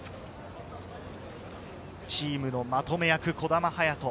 チームのまとめ役・児玉勇翔。